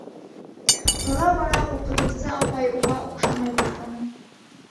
Тора-бара уҡытыусы апай уға оҡшамай башланы.